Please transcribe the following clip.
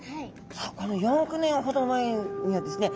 さあこの４億年ほど前にはですね